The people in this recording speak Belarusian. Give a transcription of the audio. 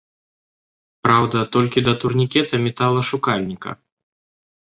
Праўда, толькі да турнікета-металашукальніка.